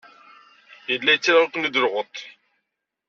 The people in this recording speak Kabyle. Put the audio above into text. Yella yettaley-iken-id lɣeṭṭ.